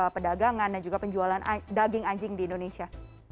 perdagangan dan juga penjualan daging anjing di indonesia